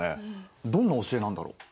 どんな教えなんだろう？